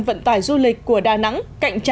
vận tải du lịch của đà nẵng cạnh tranh